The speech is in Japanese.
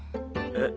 えっ。